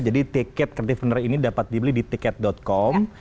jadi tiket kreatif perner ini dapat dibeli di tiket com